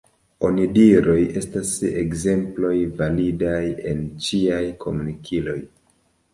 Onidiroj estas ekzemploj validaj en ĉiaj komunikiloj.